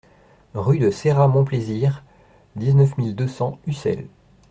Rue de Ceyrat Montplaisir, dix-neuf mille deux cents Ussel